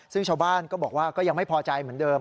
ซึ่งชาวบ้านก็บอกว่าก็ยังไม่พอใจเหมือนเดิม